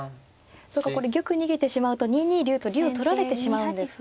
そうかこれ玉逃げてしまうと２二竜と竜を取られてしまうんですね。